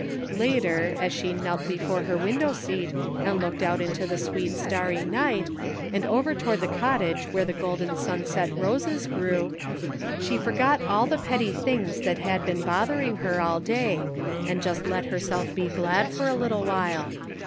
Later, as she knelt before her window seat and 237 THE FINDING OF JASPER HOLT looked out into the sweet starry night, and over toward the cottage where the Golden Sunset roses gfew, she forgot all the petty things that had been bothering her all day, and just let herself be glad for a little while.